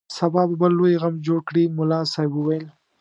سبا به بل لوی غم جوړ کړي ملا صاحب وویل.